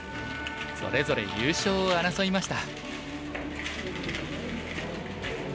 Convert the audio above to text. それぞれ優勝を争いました。